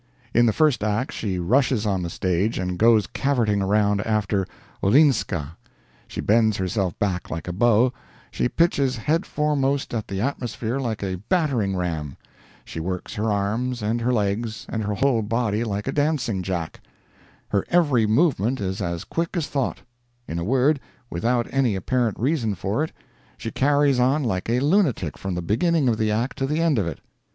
In the first act, she rushes on the stage, and goes cavorting around after "Olinska"; she bends herself back like a bow; she pitches headforemost at the atmosphere like a battering ram; she works her arms, and her legs, and her whole body like a dancing jack: her every movement is as quick as thought; in a word, without any apparent reason for it, she carries on like a lunatic from the beginning of the act to the end of it.